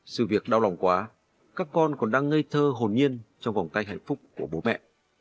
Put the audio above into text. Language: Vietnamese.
sự việc đau lòng quá các con còn đang ngây thơ hồn nhiên trong vòng tay hạnh phúc của bố mẹ